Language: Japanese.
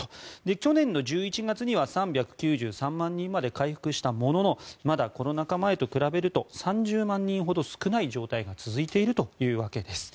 去年の１１月には３９３万人まで回復したもののまだコロナ禍前と比べると３０万人ほど少ない状態が続いているというわけです。